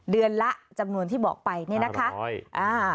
เดือนละจำนวนที่บอกไปเนี่ยนะคะ